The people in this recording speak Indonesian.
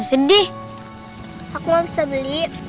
dari toko itu kak